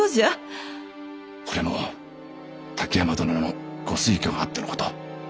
これも滝山殿のご推挙があってのこと。